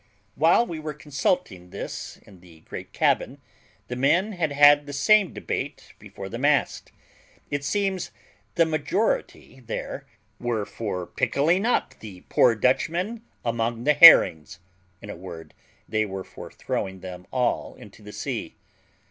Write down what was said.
While we were consulting this in the great cabin, the men had had the same debate before the mast; and it seems the majority there were for pickling up the poor Dutchmen among the herrings; in a word, they were for throwing them all into the sea.